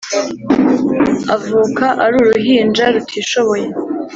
avuka ari uruhinja rutishoboye